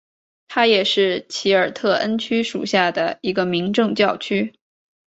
它也是奇尔特恩区属下的一个民政教区。